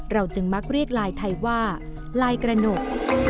จึงมักเรียกลายไทยว่าลายกระหนก